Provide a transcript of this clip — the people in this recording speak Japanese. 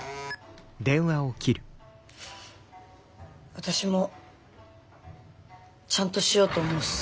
私もちゃんとしようと思うっす。